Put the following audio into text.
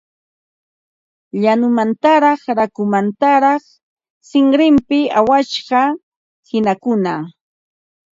Llañumantaraq rakukamantaraq sinrinpi awasqa qinakuna